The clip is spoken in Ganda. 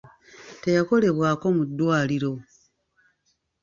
Teyakolebwako mu ddwaliro.